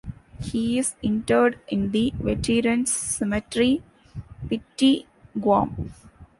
He is interred in the Veterans Cemetery, Piti, Guam.